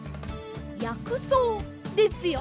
「やくそう」ですよ。